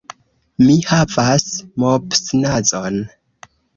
Mi havas mopsnazon.